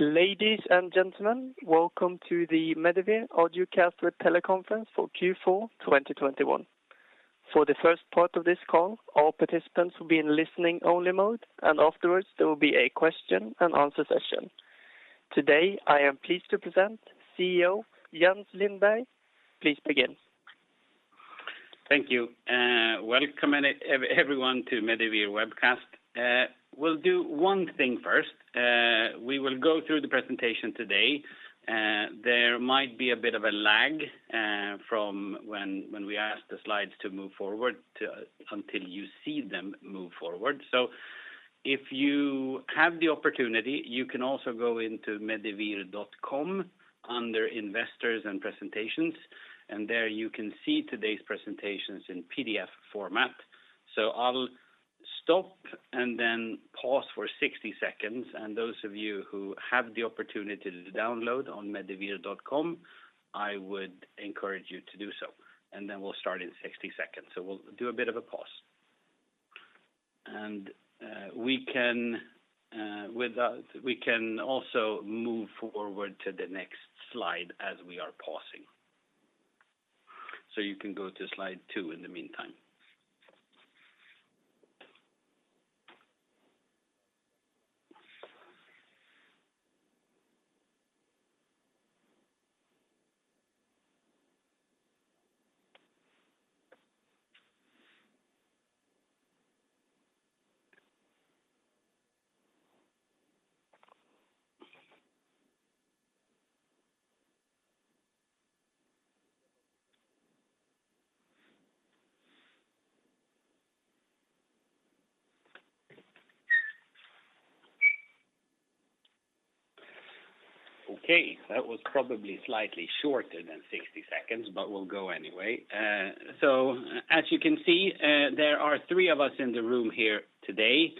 Ladies and gentlemen, welcome to the Medivir Audio Cast Teleconference for Q4 2021. For the first part of this call, all participants will be in listening only mode, and afterwards, there will be a question and answer session. Today, I am pleased to present CEO Jens Lindberg. Please begin. Thank you. Welcome everyone to Medivir Webcast. We'll do one thing first. We will go through the presentation today. There might be a bit of a lag from when we ask the slides to move forward until you see them move forward. If you have the opportunity, you can also go into medivir.com under Investors and Presentations, and there you can see today's presentations in PDF format. I'll stop and then pause for 60 seconds. Those of you who have the opportunity to download on medivir.com, I would encourage you to do so. We'll start in 60 seconds. We'll do a bit of a pause. We can, with that, we can also move forward to the next slide as we are pausing. You can go to slide two in the meantime. Okay. That was probably slightly shorter than 60 seconds, but we'll go anyway. As you can see, there are three of us in the room here today.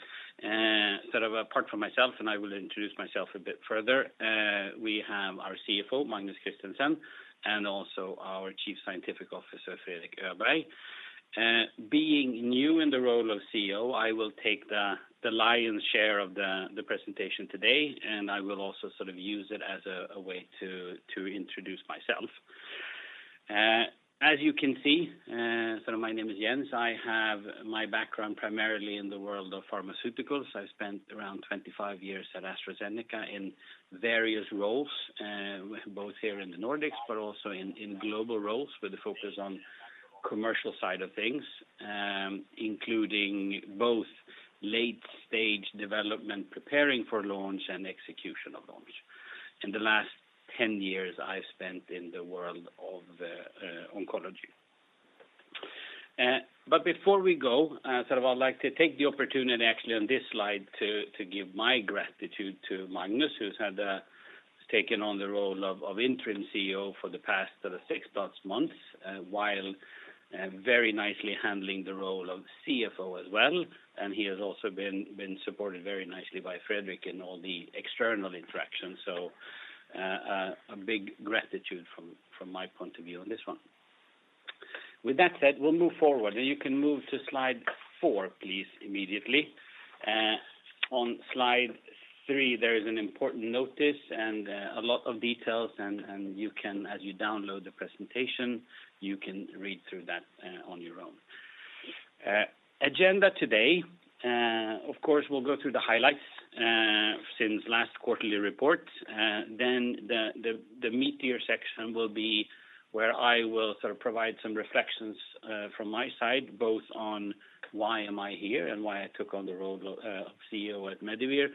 Sort of apart from myself, and I will introduce myself a bit further. We have our CFO, Magnus Christensen, and also our Chief Scientific Officer, Fredrik Öberg. Being new in the role of CEO, I will take the lion's share of the presentation today, and I will also sort of use it as a way to introduce myself. As you can see, my name is Jens. I have my background primarily in the world of pharmaceuticals. I spent around 25 years at AstraZeneca in various roles, both here in the Nordics, but also in global roles with the focus on commercial side of things, including both late-stage development, preparing for launch and execution of launch. In the last 10 years, I've spent in the world of oncology. Before we go, I'd like to take the opportunity actually on this slide to give my gratitude to Magnus, who's taken on the role of Interim CEO for the past sort of 6+ months, while very nicely handling the role of CFO as well. He has also been supported very nicely by Fredrik in all the external interactions. A big gratitude from my point of view on this one. With that said, we'll move forward. You can move to slide four, please, immediately. On slide three, there is an important notice and a lot of details, and you can, as you download the presentation, you can read through that on your own. The agenda today, of course, we'll go through the highlights since last quarterly report. Then the meatier section will be where I will sort of provide some reflections from my side, both on why am I here and why I took on the role of CEO at Medivir.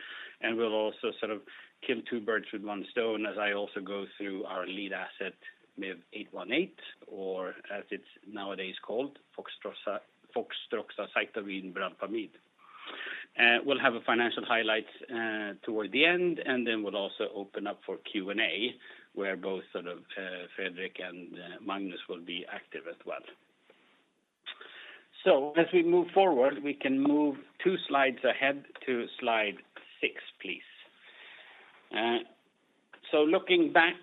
We'll also sort of kill two birds with one stone as I also go through our lead asset MIV-818 or as it's nowadays called, Fostroxacitabine bralpamide. We'll have a financial highlight toward the end, and then we'll also open up for Q&A, where both sort of Fredrik and Magnus will be active as well. As we move forward, we can move two slides ahead to slide 6, please. Looking back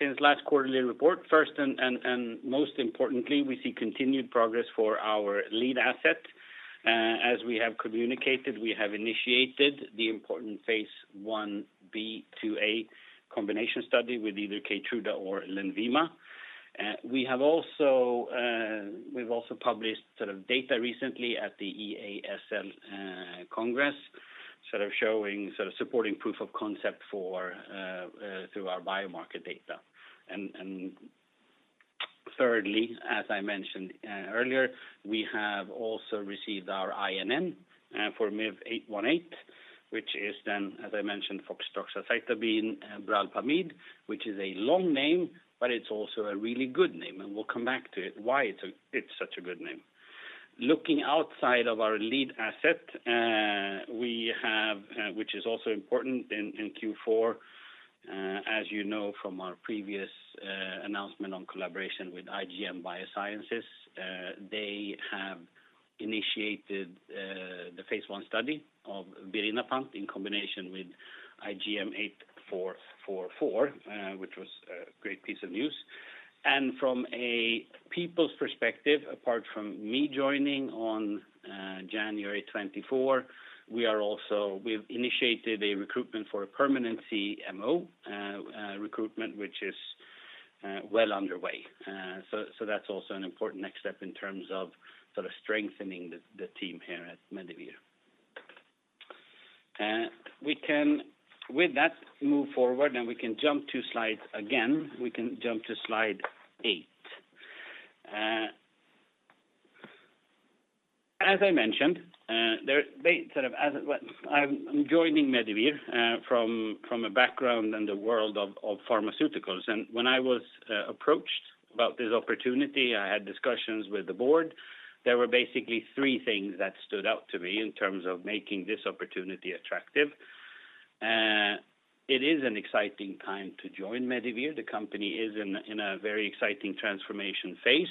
since last quarterly report, first and most importantly, we see continued progress for our lead asset. As we have communicated, we have initiated the important Phase Ib/IIa combination study with either KEYTRUDA or LENVIMA. We have also published sort of data recently at the EASL Congress, sort of showing sort of supporting proof of concept through our biomarker data. Thirdly, as I mentioned earlier, we have also received our INN for MIV-818, which is then, as I mentioned, Fostroxacitabine bralpamide, which is a long name, but it's also a really good name. We'll come back to it, why it's such a good name. Looking outside of our lead asset, which is also important in Q4, as you know from our previous announcement on collaboration with IGM Biosciences, they have initiated the Phase I study of birinapant in combination with IGM-8444, which was a great piece of news. From a personnel perspective, apart from me joining on January 24, we've initiated a recruitment for a permanent CMO, which is well underway. That's also an important next step in terms of sort of strengthening the team here at Medivir. We can with that move forward, and we can jump two slides again. We can jump to slide 8. As I mentioned, well, I'm joining Medivir from a background in the world of pharmaceuticals. When I was approached about this opportunity, I had discussions with the board. There were basically three things that stood out to me in terms of making this opportunity attractive. It is an exciting time to join Medivir. The company is in a very exciting transformation Phase.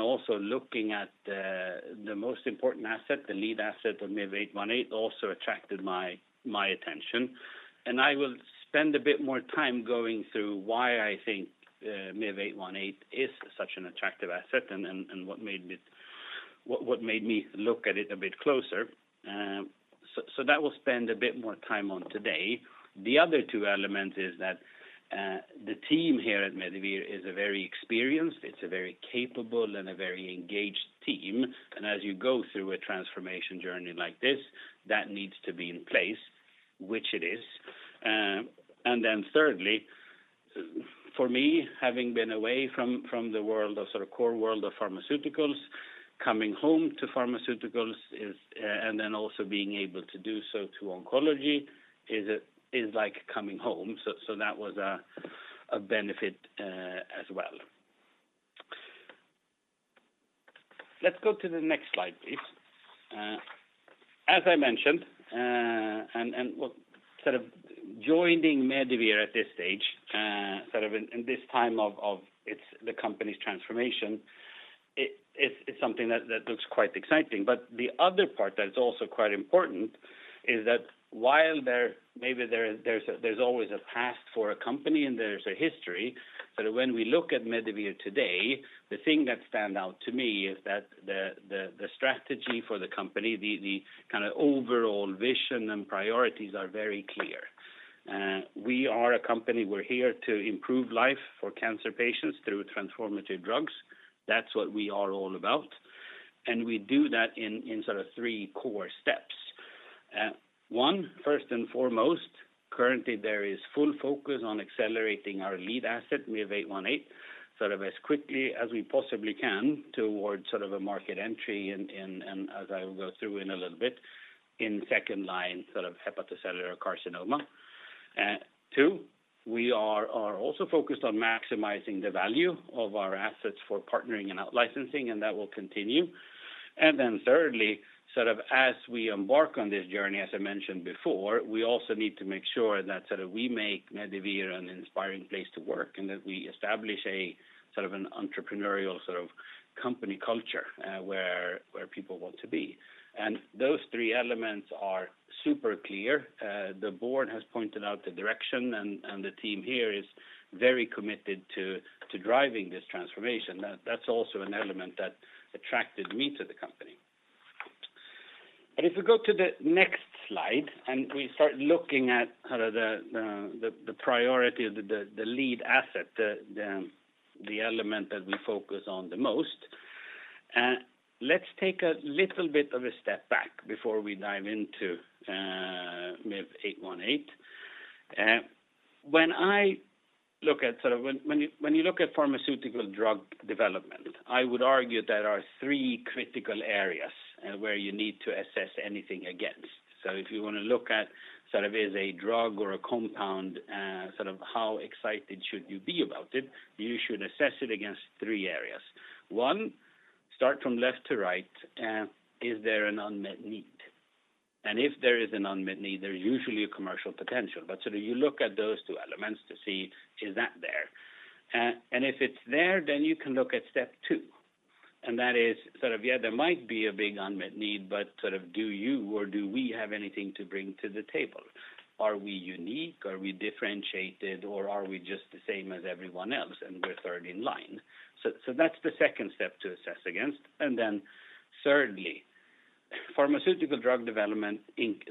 Also looking at the most important asset, the lead asset of MIV-818, also attracted my attention. I will spend a bit more time going through why I think MIV-818 is such an attractive asset and what made me look at it a bit closer. We'll spend a bit more time on it today. The other two elements are that the team here at Medivir is a very experienced, very capable and very engaged team. As you go through a transformation journey like this, that needs to be in place, which it is. Then thirdly, for me, having been away from the world of sort of core world of pharmaceuticals, coming home to pharmaceuticals, and then also being able to do so to oncology, is like coming home. That was a benefit as well. Let's go to the next slide, please. As I mentioned, what sort of joining Medivir at this stage, sort of in this time of the company's transformation, it is something that looks quite exciting. The other part that's also quite important is that while there may be, there's always a past for a company and there's a history. When we look at Medivir today, the thing that stand out to me is that the strategy for the company, the kind of overall vision and priorities are very clear. We are a company. We're here to improve life for cancer patients through transformative drugs. That's what we are all about. We do that in sort of three core steps. One, first and foremost, currently there is full focus on accelerating our lead asset, MIV-818, sort of as quickly as we possibly can towards sort of a market entry and as I will go through in a little bit in second-line sort of Hepatocellular carcinoma. Two, we are also focused on maximizing the value of our assets for partnering and out licensing, and that will continue. Thirdly, sort of as we embark on this journey, as I mentioned before, we also need to make sure that sort of we make Medivir an inspiring place to work, and that we establish a sort of an entrepreneurial sort of company culture, where people want to be. Those three elements are super clear. The board has pointed out the direction, and the team here is very committed to driving this transformation. That's also an element that attracted me to the company. If we go to the next slide, and we start looking at kind of the priority of the lead asset, the element that we focus on the most. Let's take a little bit of a step back before we dive into MIV-818. When I look at sort of when you look at pharmaceutical drug development, I would argue there are three critical areas where you need to assess anything against. If you wanna look at sort of is a drug or a compound, sort of how excited should you be about it, you should assess it against three areas. One, start from left to right, is there an unmet need? If there is an unmet need, there's usually a commercial potential. You look at those two elements to see if that is there. If it's there, then you can look at step two. That is, there might be a big unmet need, but do you or do we have anything to bring to the table? Are we unique? Are we differentiated, or are we just the same as everyone else and we're 3rd in line? That's the second step to assess against. Then thirdly, pharmaceutical drug development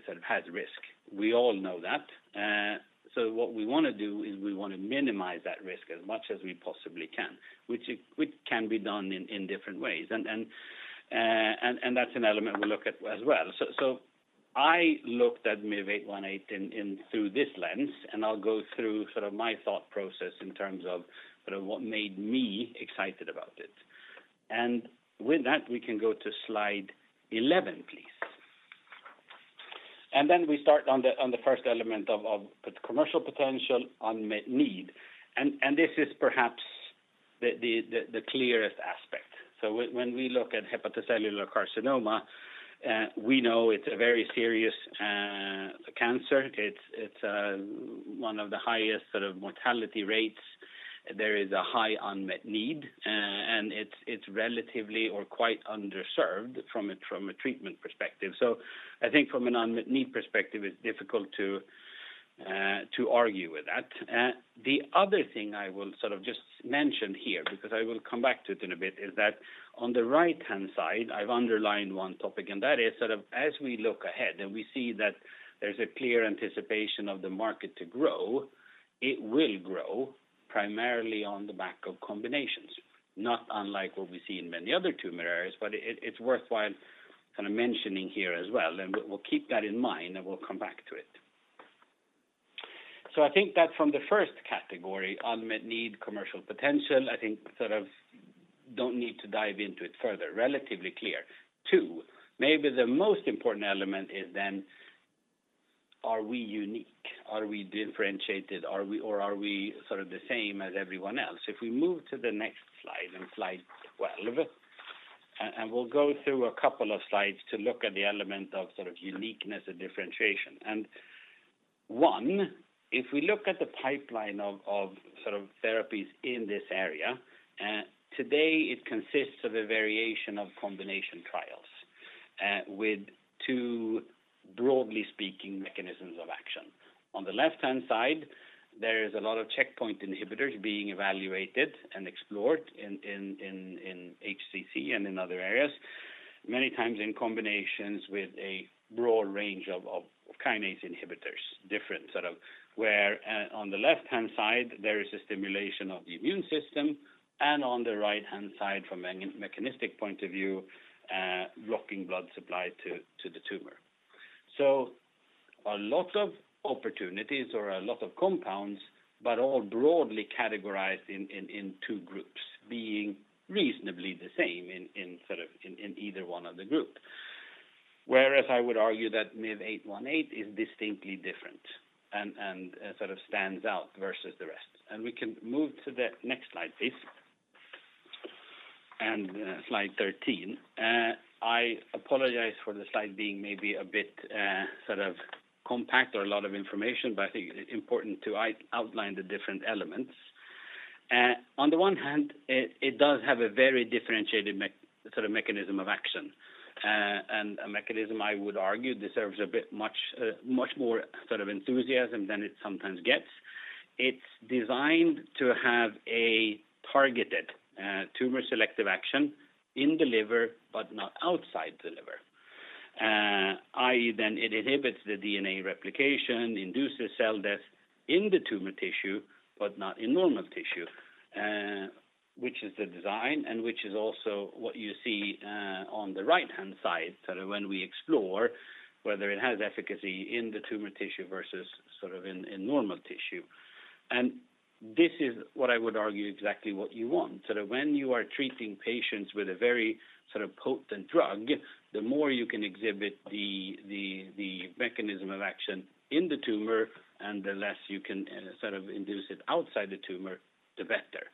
sort of has risk. We all know that. What we wanna do is we want to minimize that risk as much as we possibly can, which can be done in different ways. That's an element we look at as well. I looked at MIV-818 through this lens, and I'll go through sort of my thought process in terms of sort of what made me excited about it. With that, we can go to slide 11, please. We start on the first element of the commercial potential unmet need. This is perhaps the clearest aspect. When we look at Hepatocellular carcinoma, we know it's a very serious cancer. It's one of the highest sort of mortality rates. There is a high unmet need, and it's relatively or quite underserved from a treatment perspective. I think from an unmet need perspective, it's difficult to argue with that. The other thing I will sort of just mention here, because I will come back to it in a bit, is that on the right-hand side, I've underlined one topic, and that is sort of as we look ahead and we see that there's a clear anticipation of the market to grow. It will grow primarily on the back of combinations, not unlike what we see in many other tumor areas. It's worthwhile kind of mentioning here as well, and we'll keep that in mind and we'll come back to it. I think that from the first category, unmet need, commercial potential, I think sort of don't need to dive into it further. Relatively clear. Two, maybe the most important element is then are we unique? Are we differentiated? Are we or are we sort of the same as everyone else? If we move to the next slide, in slide 12, and we'll go through a couple of slides to look at the element of sort of uniqueness and differentiation. One, if we look at the pipeline of sort of therapies in this area, today it consists of a variety of combination trials with two, broadly speaking, mechanisms of action. On the left-hand side, there is a lot of checkpoint inhibitors being evaluated and explored in HCC and in other areas, many times in combinations with a broad range of kinase inhibitors. Where on the left-hand side, there is a stimulation of the immune system, and on the right-hand side, from a mechanistic point of view, blocking blood supply to the tumor. A lot of opportunities or a lot of compounds, but all broadly categorized in two groups being reasonably the same in sort of in either one of the group. Whereas I would argue that MIV-818 is distinctly different and sort of stands out versus the rest. We can move to the next slide, please. Slide 13. I apologize for the slide being maybe a bit, sort of compact or a lot of information, but I think it's important to outline the different elements. On the one hand, it does have a very differentiated mechanism of action, and a mechanism I would argue deserves much more sort of enthusiasm than it sometimes gets. It's designed to have a targeted tumor selective action in the liver, but not outside the liver. i.e., it inhibits the DNA replication, induces cell death in the tumor tissue, but not in normal tissue, which is the design and which is also what you see on the right-hand side, sort of when we explore whether it has efficacy in the tumor tissue versus sort of in normal tissue. This is what I would argue exactly what you want. Sort of when you are treating patients with a very sort of potent drug, the more you can exhibit the mechanism of action in the tumor and the less you can sort of induce it outside the tumor, the better.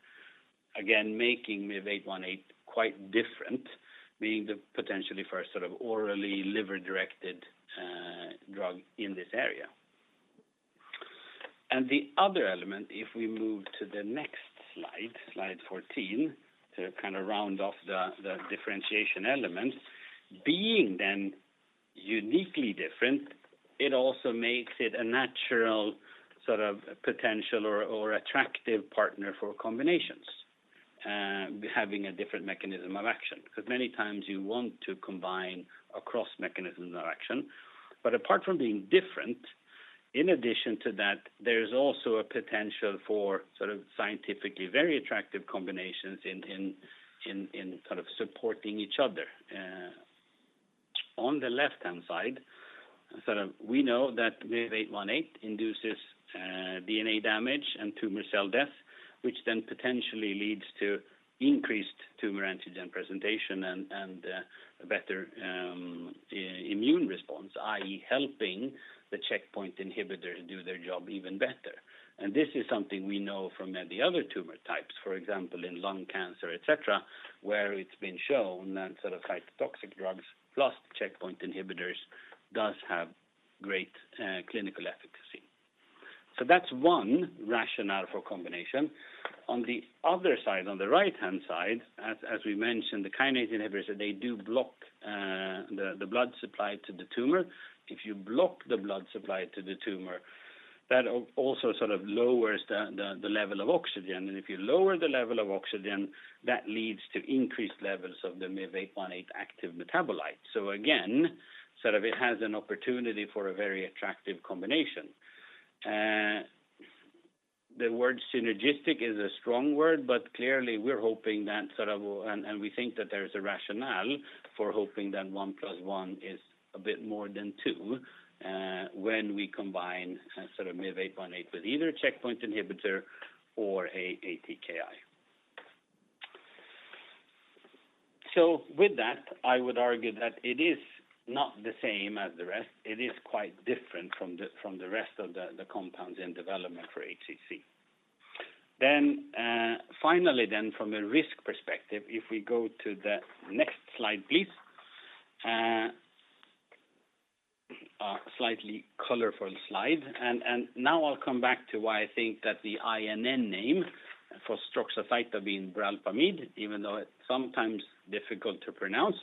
Again, making MIV-818 quite different, being the potentially first sort of orally liver-directed drug in this area. The other element, if we move to the next slide 14, to kind of round off the differentiation elements, being then uniquely different, it also makes it a natural sort of potential or attractive partner for combinations, having a different mechanism of action. 'Cause many times you want to combine across mechanisms of action. Apart from being different, in addition to that, there's also a potential for sort of scientifically very attractive combinations in kind of supporting each other. On the left-hand side, sort of we know that MIV-818 induces DNA damage and tumor cell death, which then potentially leads to increased tumor antigen presentation and a better immune response, i.e., helping the checkpoint inhibitors do their job even better. This is something we know from the other tumor types, for example, in lung cancer, et cetera, where it's been shown that sort of cytotoxic drugs plus checkpoint inhibitors does have great clinical efficacy. That's one rationale for combination. On the other side, on the right-hand side, as we mentioned, the kinase inhibitors, they do block the blood supply to the tumor. If you block the blood supply to the tumor, that also sort of lowers the level of oxygen. If you lower the level of oxygen, that leads to increased levels of the MIV-818 active metabolite. Again, sort of it has an opportunity for a very attractive combination. The word synergistic is a strong word, but clearly we're hoping that sort of and we think that there's a rationale for hoping that one plus one is a bit more than two, when we combine sort of MIV-818 with either a checkpoint inhibitor or a TKI. With that, I would argue that it is not the same as the rest. It is quite different from the rest of the compounds in development for HCC. Finally then from a risk perspective, if we go to the next slide, please. A slightly colorful slide. Now I'll come back to why I think that the INN name for Fostroxacitabine bralpamide, even though it's sometimes difficult to pronounce.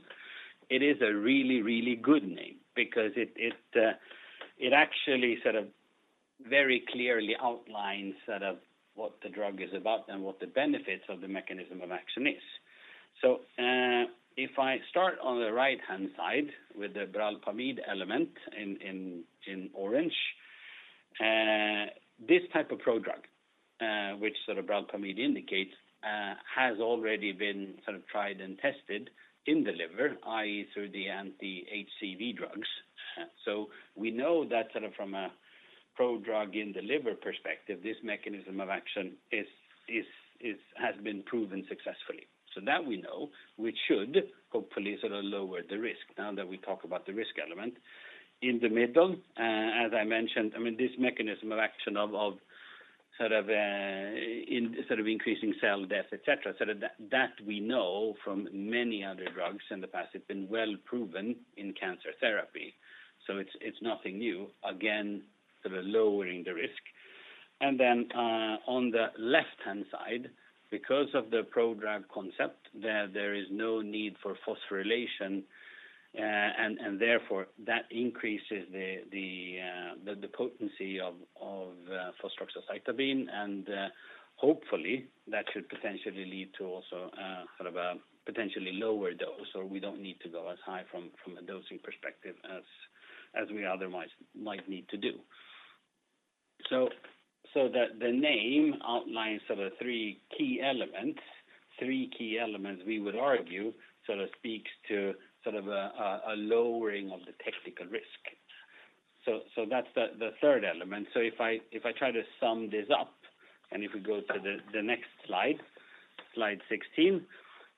It is a really good name because it actually sort of very clearly outlines sort of what the drug is about and what the benefits of the mechanism of action is. If I start on the right-hand side with the bralpamide element in orange, this type of prodrug, which sort of bralpamide indicates, has already been sort of tried and tested in the liver, i.e., through the anti-HCV drugs. We know that sort of from a prodrug in the liver perspective, this mechanism of action has been proven successfully. that we know, which should hopefully sort of lower the risk now that we talk about the risk element. In the middle, as I mentioned, I mean, this mechanism of action of sort of increasing cell death, et cetera, so that we know from many other drugs in the past, it's been well proven in cancer therapy. It's nothing new, again, sort of lowering the risk. Then, on the left-hand side, because of the prodrug concept, there is no need for phosphorylation, and therefore, that increases the potency of fostroxacitabine. And, hopefully, that should potentially lead to also sort of a potentially lower dose, or we don't need to go as high from a dosing perspective as we otherwise might need to do. The name outlines sort of three key elements. Three key elements we would argue sort of speaks to sort of a lowering of the technical risk. That's the third element. If I try to sum this up, and if we go to the next slide 16,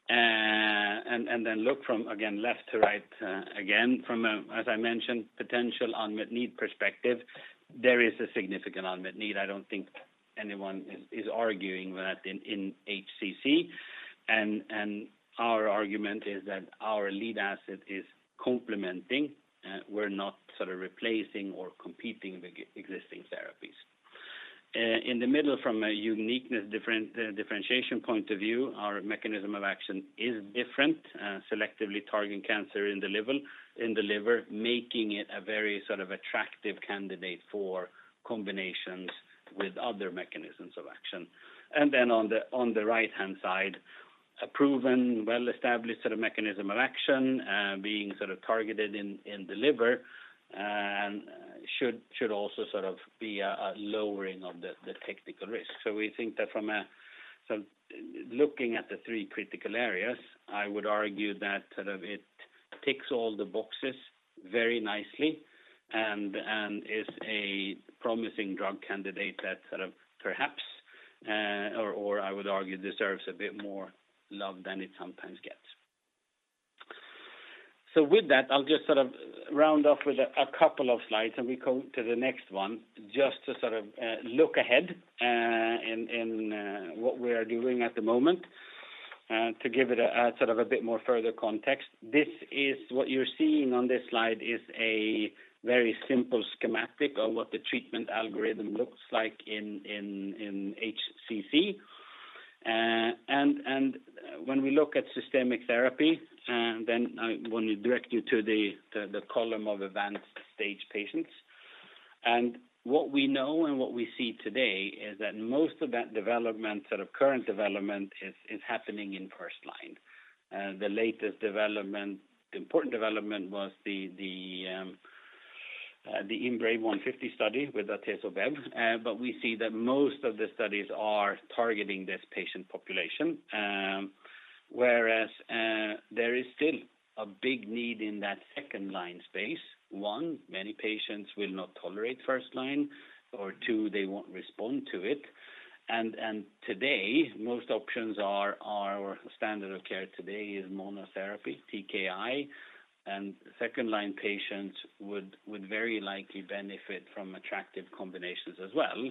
and then look from left to right, again. From a potential unmet need perspective, as I mentioned, there is a significant unmet need. I don't think anyone is arguing that in HCC. Our argument is that our lead asset is complementing. We're not sort of replacing or competing with existing therapies. In the middle from a uniqueness differentiation point of view, our mechanism of action is different, selectively targeting cancer in the liver, making it a very sort of attractive candidate for combinations with other mechanisms of action. Then on the right-hand side, a proven well-established sort of mechanism of action, being targeted in the liver, and should also be a lowering of the technical risk. We think that looking at the three critical areas, I would argue that it ticks all the boxes very nicely and is a promising drug candidate that perhaps or I would argue deserves a bit more love than it sometimes gets. With that, I'll just sort of round off with a couple of slides, and we go to the next one just to sort of look ahead in what we are doing at the moment to give it a sort of a bit more further context. This is what you're seeing on this slide is a very simple schematic of what the treatment algorithm looks like in HCC. When we look at systemic therapy, then I want to direct you to the column of advanced stage patients. What we know and what we see today is that most of that development, sort of current development is happening in first line. The latest development, the important development was the IMbrave150 study with atezolizumab. We see that most of the studies are targeting this patient population, whereas there is still a big need in that second line space. One, many patients will not tolerate first line, or two, they won't respond to it. Today, most options are standard of care today is monotherapy, TKI, and second-line patients would very likely benefit from attractive combinations as well.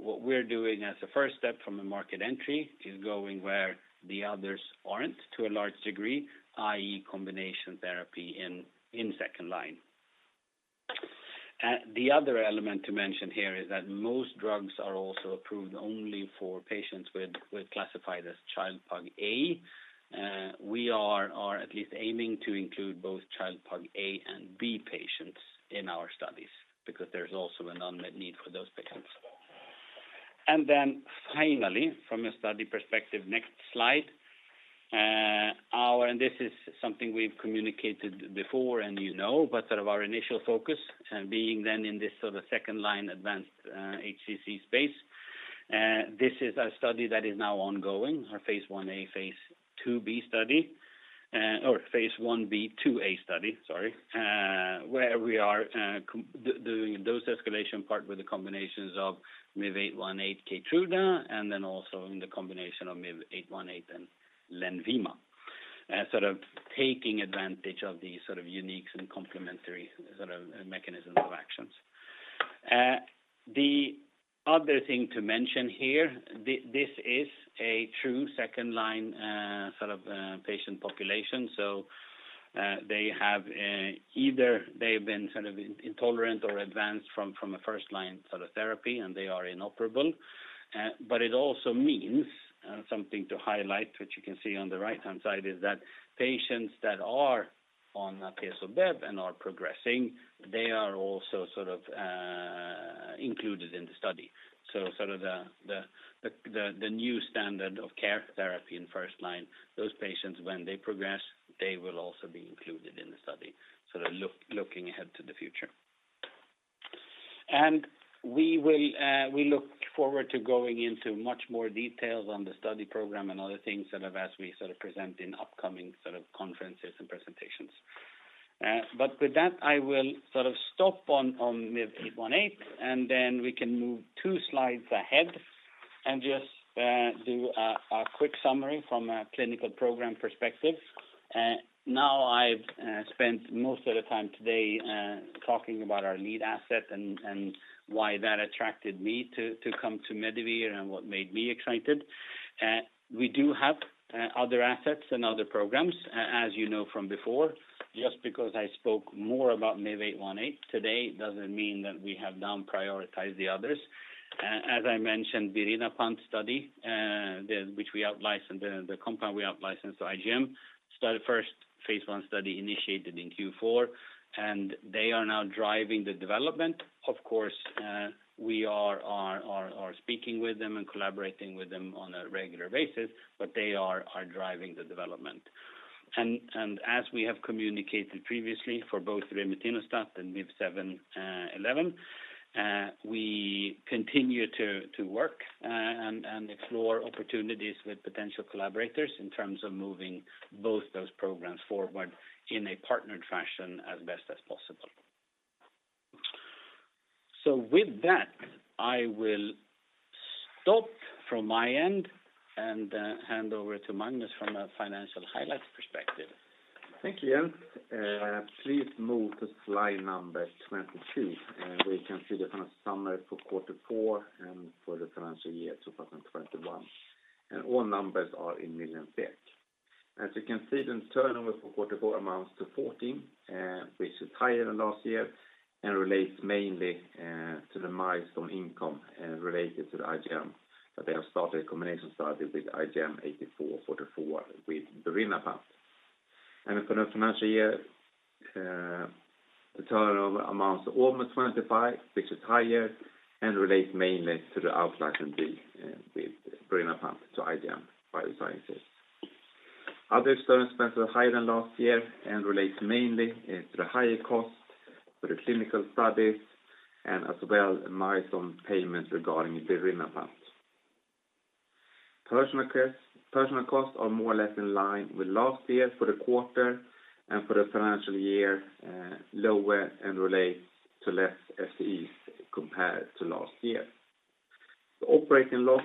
What we're doing as a first step from a market entry is going where the others aren't to a large degree, i.e., combination therapy in 2nd line. The other element to mention here is that most drugs are also approved only for patients classified as Child-Pugh A. We are at least aiming to include both Child-Pugh A and B patients in our studies because there's also an unmet need for those patients. Finally, from a study perspective, next slide. This is something we've communicated before, and you know, but sort of our initial focus being then in this sort of second-line advanced HCC space. This is a study that is now ongoing, our Phase Ib/IIa study, sorry, where we are doing dose escalation part with the combinations of MIV-818 KEYTRUDA, and then also in the combination of MIV-818 and LENVIMA. Sort of taking advantage of the sort of unique and complementary sort of mechanisms of actions. The other thing to mention here, this is a true second-line, sort of, patient population. They have either been sort of intolerant or advanced from a first line sort of therapy, and they are inoperable. It also means something to highlight, which you can see on the right-hand side, is that patients that are on the atezo/bev and are progressing, they are also sort of included in the study. Sort of the new standard of care therapy in first line, those patients, when they progress, they will also be included in the study, sort of looking ahead to the future. We look forward to going into much more details on the study program and other things sort of as we sort of present in upcoming sort of conferences and presentations. With that, I will sort of stop on MIV-818, and then we can move two slides ahead and just do a quick summary from a clinical program perspective. Now I've spent most of the time today talking about our lead asset and why that attracted me to come to Medivir and what made me excited. We do have other assets and other programs, as you know from before. Just because I spoke more about MIV-818 today doesn't mean that we have deprioritized the others. As I mentioned, the birinapant study, which we out-licensed the compound we out-licensed to IGM, started first Phase I study initiated in Q4, and they are now driving the development. Of course, we are speaking with them and collaborating with them on a regular basis, but they are driving the development. As we have communicated previously for both remetinostat and MIV-711, we continue to work and explore opportunities with potential collaborators in terms of moving both those programs forward in a partnered fashion as best as possible. With that, I will stop from my end and hand over to Magnus from a financial highlights perspective. Thank you, Jens. Please move to slide number 22. We can see the kind of summary for quarter four and for the financial year 2021. All numbers are in million. As you can see, the turnover for quarter four amounts to 14 million, which is higher than last year and relates mainly to the milestone income related to the IGM, that they have started a combination study with IGM-8444 with birinapant. For the financial year, the turnover amounts to almost 25 million, which is higher and relates mainly to the outlicensing deal with birinapant to IGM Biosciences. Other expenses were higher than last year and relates mainly to the higher cost for the clinical studies and as well milestone payments regarding birinapant. Personnel costs are more or less in line with last year for the quarter and for the financial year, lower and relates to less FTEs compared to last year. The operating loss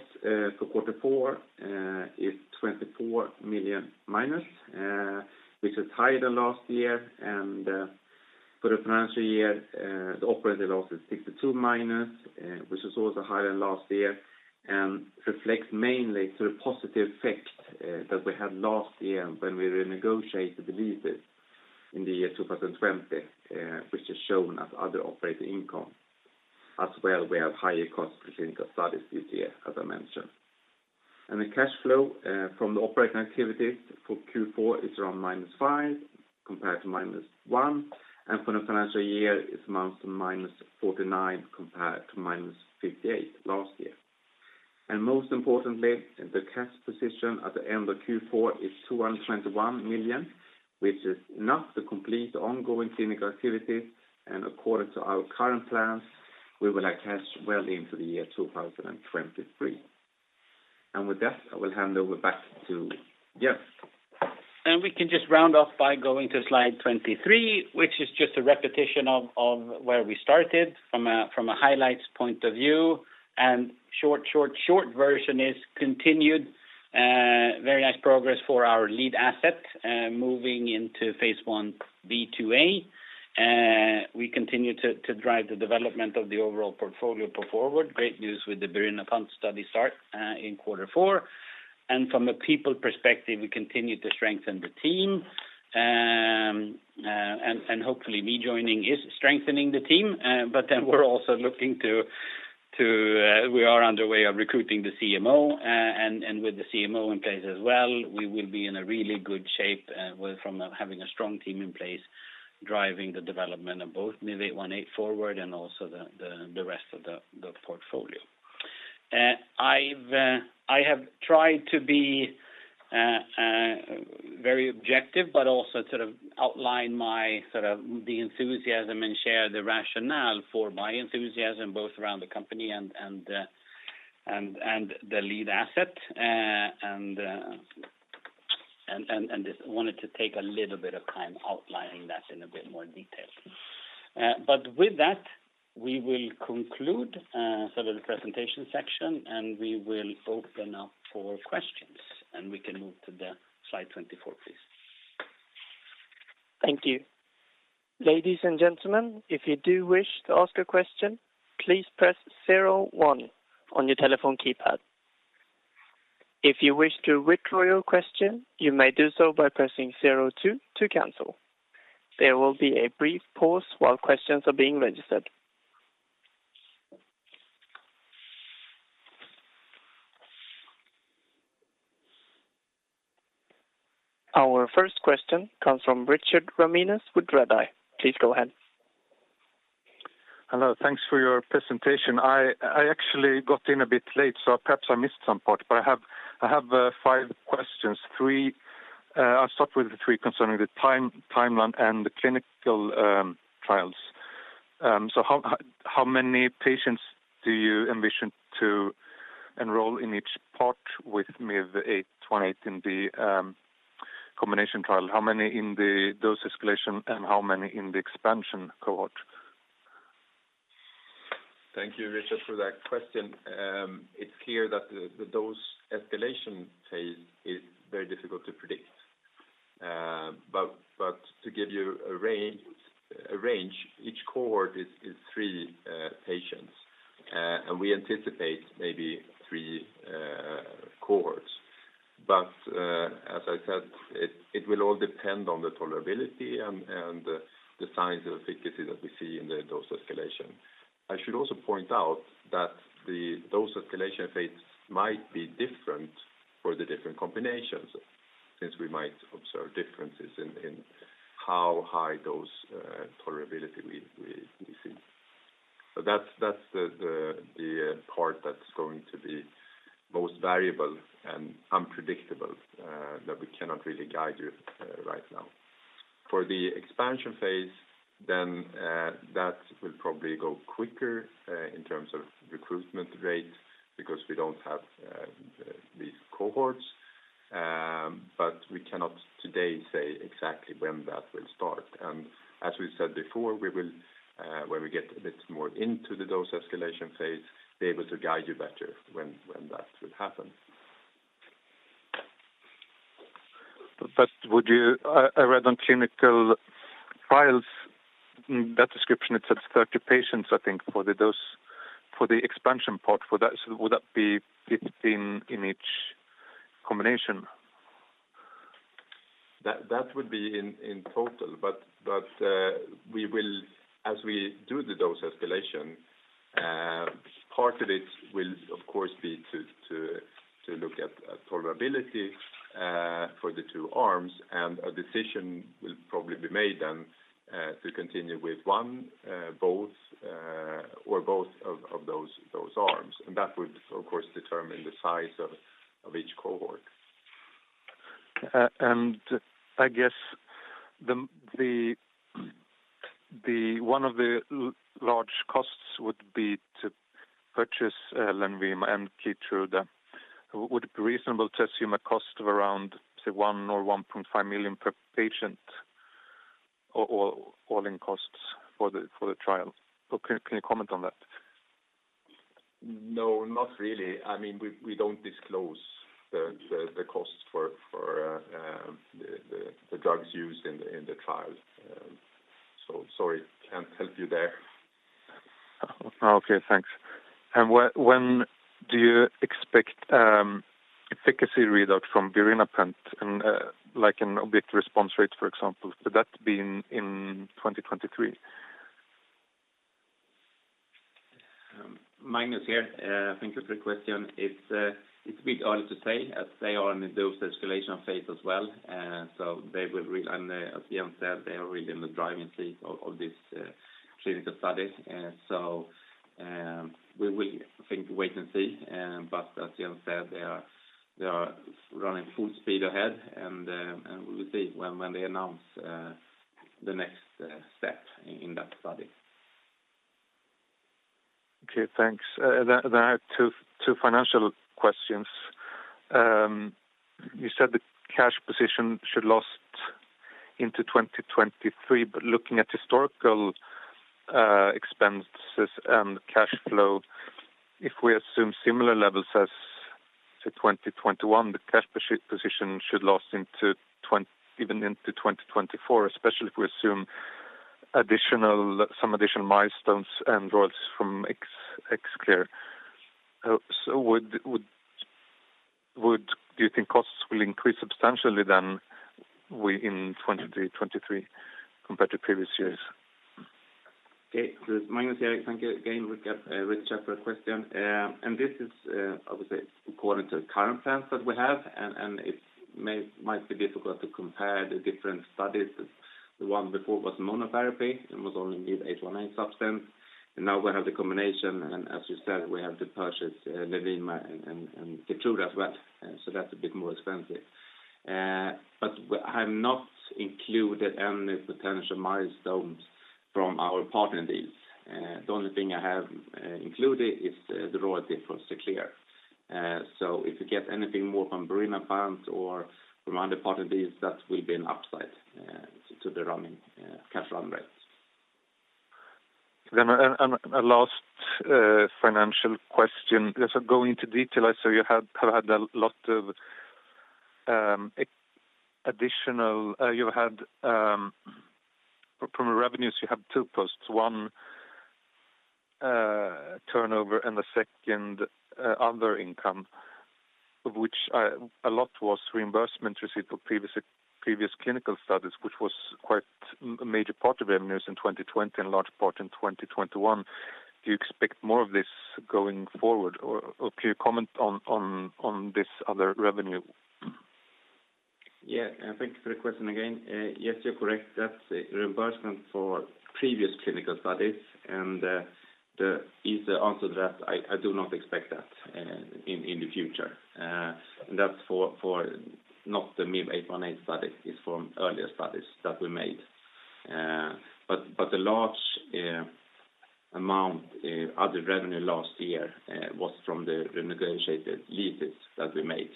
for quarter four is -24 million, which is higher than last year. For the financial year, the operating loss is -62 million, which is also higher than last year and reflects mainly the positive effect that we had last year when we renegotiated the leases in the year 2020, which is shown as other operating income. As well, we have higher cost for clinical studies this year, as I mentioned. The cash flow from the operating activities for Q4 is around -5 million compared to -1 million. For the financial year, it amounts to -49 million compared to -58 million last year. Most importantly, the cash position at the end of Q4 is 221 million, which is enough to complete the ongoing clinical activities. According to our current plans, we will have cash well into the year 2023. With that, I will hand over back to Jens. We can just round off by going to slide 23, which is just a repetition of where we started from a highlights point of view. Short version is continued very nice progress for our lead asset moving into Phase Ib/IIa. We continue to drive the development of the overall portfolio performance. Great news with the birinapant study start in quarter four. From a people perspective, we continue to strengthen the team. Hopefully me joining is strengthening the team. We are underway with recruiting the CMO, and with the CMO in place as well, we will be in a really good shape from having a strong team in place driving the development of both MIV-818 forward and also the rest of the portfolio. I have tried to be very objective, but also to outline my sort of the enthusiasm and share the rationale for my enthusiasm both around the company and the lead asset. Just wanted to take a little bit of time outlining that in a bit more detail. With that, we will conclude sort of the presentation section, and we will open up for questions, and we can move to slide 24, please. Our first question comes from Richard Ramanius with Redeye. Please go ahead. Hello, thanks for your presentation. I actually got in a bit late, so perhaps I missed some part, but I have five questions. I'll start with the three concerning the timeline and the clinical trials. So how many patients do you intend to enroll in each part with MIV-818 in the combination trial? How many in the dose escalation and how many in the expansion cohort? Thank you, Richard, for that question. It's clear that the dose escalation Phase is very difficult to predict. But to give you a range, each cohort is three patients. And we anticipate maybe three cohorts. But as I said, it will all depend on the tolerability and the signs of efficacy that we see in the dose escalation. I should also point out that the dose escalation Phase might be different for the different combinations since we might observe differences in how high dose tolerability we see. So that's the part that's going to be most variable and unpredictable that we cannot really guide you right now. For the expansion Phase, then, that will probably go quicker in terms of recruitment rates because we don't have these cohorts. We cannot today say exactly when that will start. As we said before, we will, when we get a bit more into the dose escalation Phase, be able to guide you better when that will happen. Would you, I read on clinical trials that description, it says 30 patients, I think, for the dose for the expansion part, for that, so would that be 15 in each combination? That would be in total. As we do the dose escalation, part of it will of course be to look at tolerability for the two arms, and a decision will probably be made then to continue with one, both, or both of those arms. That would of course determine the size of each cohort. I guess one of the large costs would be to purchase LENVIMA and KEYTRUDA. Would it be reasonable to assume a cost of around, say 1 million or 1.5 million per patient or all in costs for the trial? Can you comment on that? No, not really. I mean, we don't disclose the cost for the drugs used in the trial. Sorry, can't help you there. Okay, thanks. When do you expect efficacy readout from birinapant and like an objective response rate, for example? Could that be in 2023? Magnus here. Thank you for the question. It's a bit early to say as they are in a dose escalation Phase as well. They are really in the driving seat of this clinical studies. We will, I think, wait and see. As Jan said, they are running full speed ahead and we will see when they announce the next step in that study. Okay, thanks. I have two financial questions. You said the cash position should last into 2023, but looking at historical expenses and cash flow, if we assume similar levels as say 2021, the cash position should last into even into 2024, especially if we assume some additional milestones and royalties from Xerclear. Do you think costs will increase substantially in 2023 compared to previous years? Okay. Magnus here. Thank you again, Richard Ramanius for the question. This is obviously according to the current plans that we have, and it might be difficult to compare the different studies. The one before was monotherapy and was only MIV-818 substance. Now we have the combination, and as you said, we have to purchase LENVIMA and KEYTRUDA as well. That's a bit more expensive. I have not included any potential milestones from our partner deals. The only thing I have included is the royalty for Xerclear. If we get anything more from birinapant or from other partner deals, that will be an upside to the running cash run rates. Last financial question. Without going into detail, I saw you have had a lot of additional from revenues. You have two posts, one turnover and the second other income, a lot of which was reimbursement received from previous clinical studies, which was quite a major part of revenues in 2020 and large part in 2021. Do you expect more of this going forward, or could you comment on this other revenue? Yeah, thank you for the question again. Yes, you're correct. That's a reimbursement for previous clinical studies. The easy answer to that, I do not expect that in the future. That's not for the MIV-818 study. It's from earlier studies that we made. The large amount other revenue last year was from the renegotiated leases that we made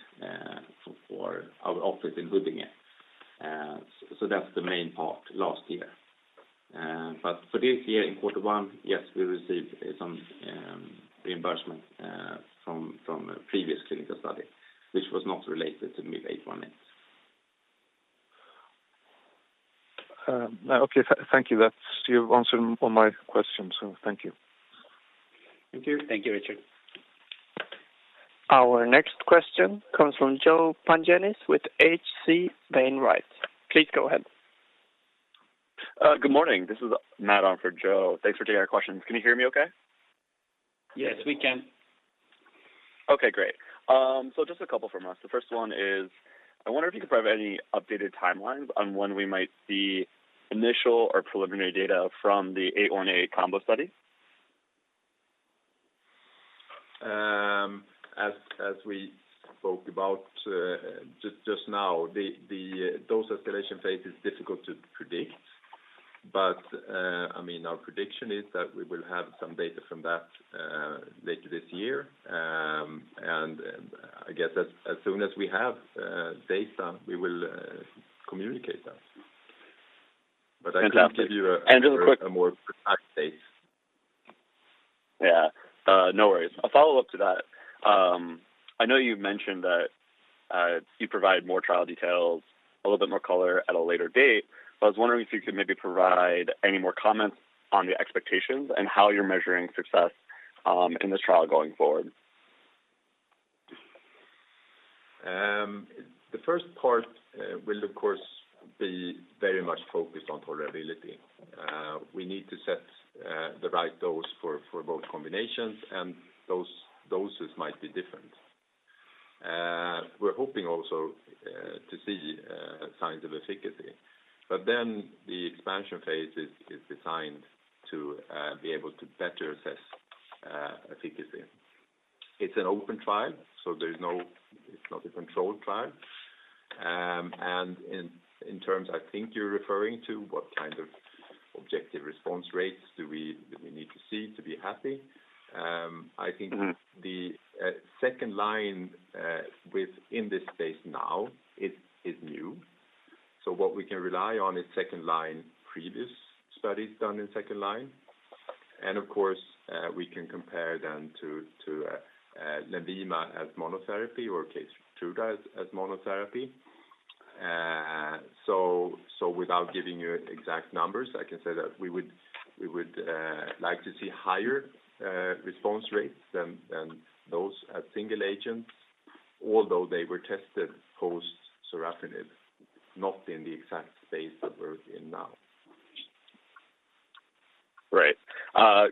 for our office in Huddinge. That's the main part last year. For this year in quarter one, yes, we received some reimbursement from a previous clinical study which was not related to MIV-818. Okay. Thank you. That's. You've answered all my questions. Thank you. Thank you. Thank you, Richard. Our next question comes from Joe Pantginis with H.C. Wainwright. Please go ahead. Good morning. This is Matt on for Joe. Thanks for taking our questions. Can you hear me okay? Yes, we can. Okay, great. So just a couple from us. The first one is, I wonder if you could provide any updated timelines on when we might see initial or preliminary data from the MIV-818 combo study? As we spoke about just now, the dose escalation Phase is difficult to predict. I mean, our prediction is that we will have some data from that later this year. I guess as soon as we have data, we will communicate that. I can't give you a Just a quick A more precise date. Yeah. No worries. A follow-up to that. I know you've mentioned that you provide more trial details, a little bit more color at a later date. I was wondering if you could maybe provide any more comments on the expectations and how you're measuring success, in this trial going forward. The first part will of course be very much focused on tolerability. We need to set the right dose for both combinations, and those doses might be different. We're hoping also to see signs of efficacy. The expansion Phase is designed to be able to better assess efficacy. It's an open trial, so it's not a controlled trial. In terms I think you're referring to what kind of objective response rates do we need to see to be happy. I think the second line within this space now is new. What we can rely on is second line previous studies done in second line. Of course, we can compare them to LENVIMA as monotherapy or KEYTRUDA as monotherapy. Without giving you exact numbers, I can say that we would like to see higher response rates than those single agents. Although they were tested post sorafenib, not in the exact space that we're in now. Right.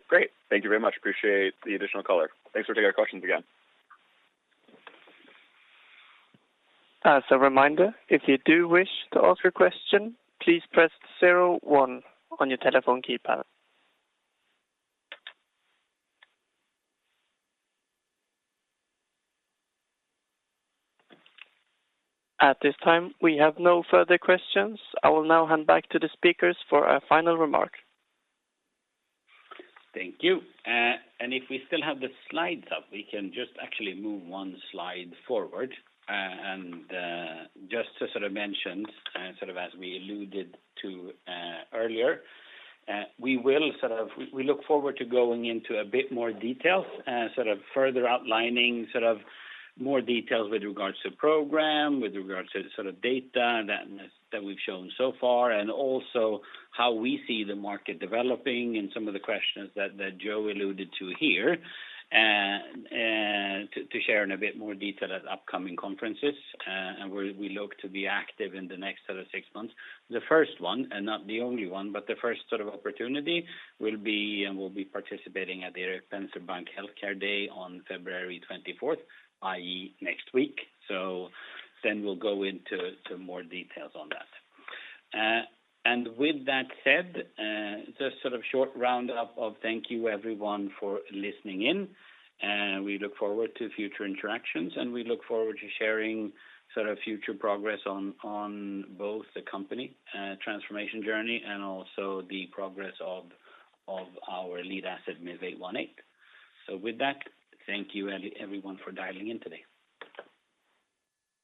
Great. Thank you very much. Appreciate the additional color. Thanks for taking our questions again. As a reminder, if you do wish to ask a question, please press zero one on your telephone keypad. At this time, we have no further questions. I will now hand back to the speakers for a final remark. Thank you. If we still have the slides up, we can just actually move one slide forward. Just to sort of mention, sort of as we alluded to earlier, we look forward to going into a bit more details, sort of further outlining sort of more details with regards to program, with regards to the sort of data that we've shown so far, and also how we see the market developing and some of the questions that Joe alluded to here to share in a bit more detail at upcoming conferences, and we look to be active in the next sort of six months. The first one, and not the only one, but the first sort of opportunity will be, and we'll be participating at the Danske Bank Healthcare Day on February 24, i.e., next week. We'll go into some more details on that. With that said, just sort of short roundup of thank you everyone for listening in, and we look forward to future interactions, and we look forward to sharing sort of future progress on both the company transformation journey and also the progress of our lead asset MIV-818. With that, thank you everyone for dialing in today.